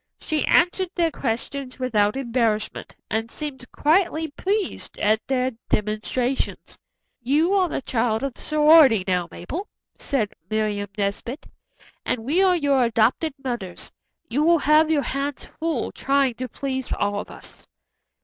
She answered their questions without embarrassment, and seemed quietly pleased at their demonstrations. "You are the child of the sorority now, Mabel," said Miriam Nesbit, "and we are your adopted mothers. You will have your hands full trying to please all of us."